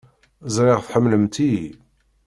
Ẓriɣ tḥemmlemt-iyi.